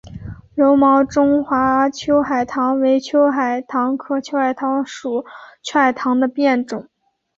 柔毛中华秋海棠为秋海棠科秋海棠属秋海棠的变种。